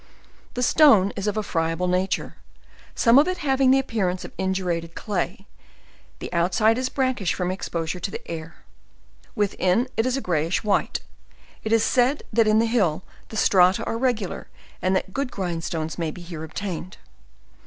The stone is of friable nature^ some of it having the appearance LEWIS AND CLARKE. 183 t)f indurated clay; the outside is blackish from exposure to the air; within it is a grayish white; it is said that in the hill the strata are regular and that good grindstones may be here obtained.